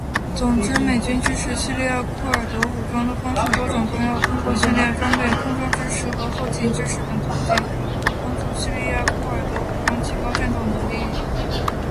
总之，美军支持叙利亚库尔德武装的方式多种多样，通过训练、装备、空中支持和后勤支持等途径，帮助叙利亚库尔德武装提高战斗能力，有效打击极端组织，维护叙利亚的稳定与和平。